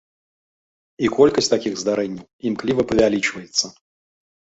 І колькасць такіх здарэнняў імкліва павялічваецца.